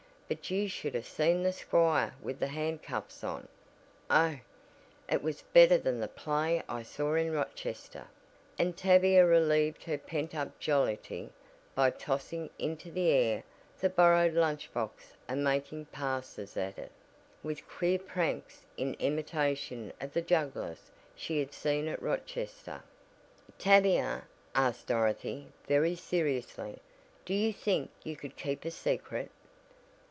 But you should have seen the squire with the handcuffs on! Oh! it was better than the play I saw in Rochester," and Tavia relieved her pent up jollity by tossing into the air the borrowed lunch box and making "passes" at it, with queer pranks in imitation of the jugglers she had seen at Rochester. "Tavia," asked Dorothy, very seriously, "do you think you could keep a secret?"